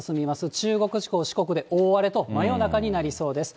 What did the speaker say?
中国地方、四国で大荒れと、真夜中になりそうです。